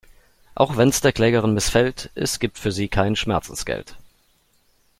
Auch wenn's der Klägerin missfällt: es gibt für sie kein Schmerzensgeld.